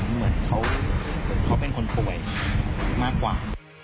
เหมือนเขาเป็นคนป่วยมากกว่า